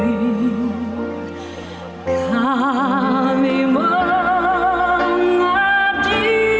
pada munagri kami berjanji